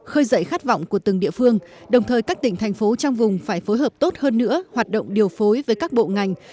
khơi dậy khát vọng của từng địa phương đồng thời các tỉnh thành phố trong vùng phải phối hợp tốt hơn nữa hoạt động điều phối với các bộ ngành